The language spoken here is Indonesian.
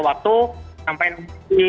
waktu sampai nanti